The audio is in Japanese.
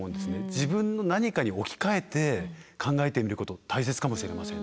自分の何かに置き換えて考えてみること大切かもしれませんね。